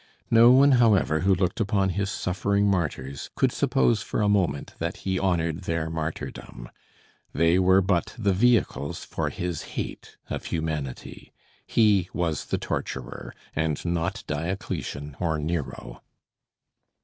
No one, however, who looked upon his suffering martyrs, could suppose for a moment that he honoured their martyrdom. They were but the vehicles for his hate of humanity. He was the torturer, and not Diocletian or Nero.